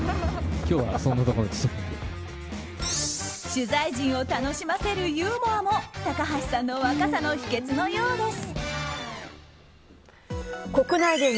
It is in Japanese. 取材陣を楽しませるユーモアも高橋さんの若さの秘訣のようです。